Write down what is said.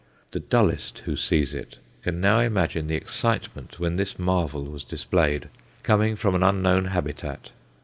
The dullest who sees it can now imagine the excitement when this marvel was displayed, coming from an unknown habitat.